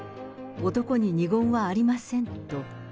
男に二言はありませんと。